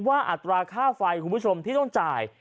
อัตราค่าไฟคุณผู้ชมที่ต้องจ่าย